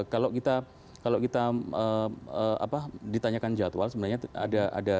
kalau kita kalau kita apa ditanyakan jadwal sebenarnya ada ada ada ada ada ada jadwalnya